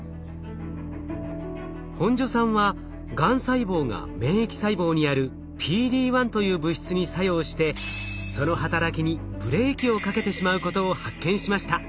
本庶さんはがん細胞が免疫細胞にあるＰＤ−１という物質に作用してその働きにブレーキをかけてしまうことを発見しました。